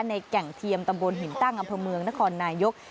แก่งเทียมตำบลหินตั้งอำเภอเมืองนครนายก